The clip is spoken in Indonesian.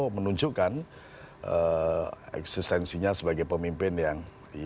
menunjukkan eksistensinya sebagai pemimpin yang